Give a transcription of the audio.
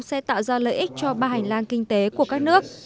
sẽ tạo ra lợi ích cho ba hành lang kinh tế của các nước